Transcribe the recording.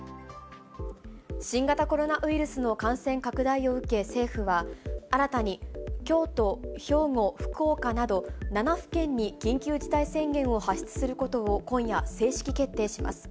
新型コロナウイルスの感染拡大を受け、政府は新たに京都、兵庫、福岡など７府県に緊急事態宣言を発出することを今夜、正式決定します。